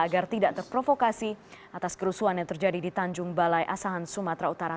agar tidak terprovokasi atas kerusuhan yang terjadi di tanjung balai asahan sumatera utara